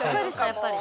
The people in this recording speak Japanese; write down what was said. やっぱり。